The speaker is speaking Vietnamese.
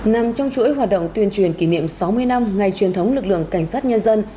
nằm trong chuỗi hoạt động tuyên truyền kỷ niệm sáu mươi năm ngày truyền thống lực lượng cảnh sát nhân dân